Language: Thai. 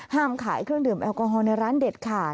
ขายเครื่องดื่มแอลกอฮอลในร้านเด็ดขาด